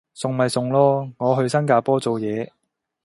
送咪送咯，我去新加坡做嘢